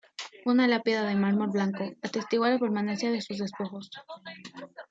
Una lápida de mármol blanco atestigua la permanencia de sus despojos.